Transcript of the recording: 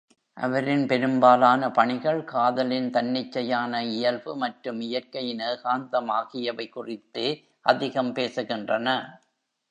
அவரின் பெரும்பாலான பணிகள் காதலின் தன்னிச்சையான இயல்பு மற்றும் இயற்கையின் ஏகாந்தம் ஆகியவை குறித்தே அதிகம் பேசுகின்றன.